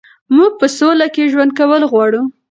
موږ په سوله کې ژوند کول غواړو.